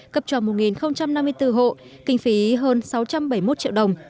cấp trò một năm mươi bốn hộ kinh phí hơn sáu trăm bảy mươi một triệu đồng